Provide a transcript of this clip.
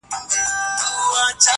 چي يوازي دي لايق د پاچاهانو!!